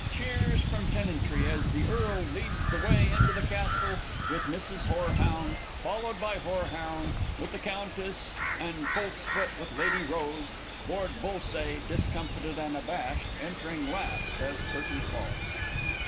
[Cheers from Tenantry, as the Earl leads the way into the Castle with Mrs. HOREHOUND, followed by HOREHOUND with the Countess and COLTSFOOT with Lady ROSE, Lord BULLSAYE, discomfited and abashed, entering last as Curtain falls.